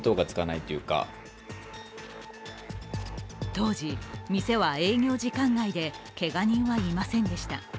当時、店は営業時間外でけが人はいませんでした。